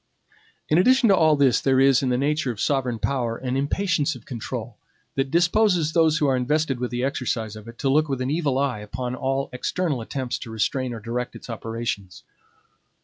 In addition to all this, there is, in the nature of sovereign power, an impatience of control, that disposes those who are invested with the exercise of it, to look with an evil eye upon all external attempts to restrain or direct its operations.